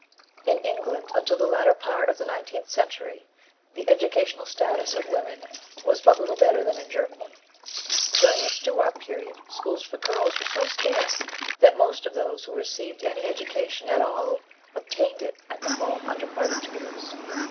In England, until the latter part of the nineteenth century, the educational status of women was but little better than in Germany. During the Stuart period schools for girls were so scarce that most of those who received any education at all obtained it at home under private tutors.